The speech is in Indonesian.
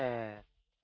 tuan kita mau ke sana